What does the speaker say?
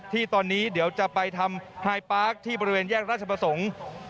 ที่ตอนนี้เดี๋ยวจะไปทำไฮปาร์คที่บริเวณแยกราชประสงค์